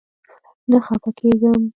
نه خپه کيږم